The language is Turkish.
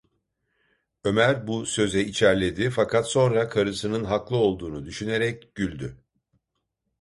Ömer bu söze içerledi, fakat sonra karısının haklı olduğunu düşünerek güldü.